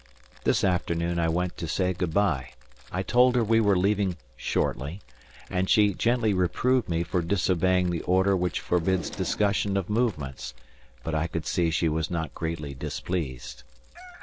This afternoon I went to say good bye; I told her we were leaving "shortly," and she gently reproved me for disobeying the order which forbids discussion of movements, but I could see she was not greatly displeased.